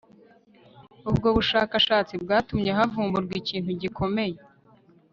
Ubwo bushakashatsi bwatumye havumburwa ikintu gikomeye